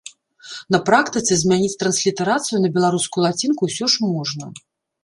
На практыцы змяніць транслітарацыю на беларускую лацінку ўсё ж можна.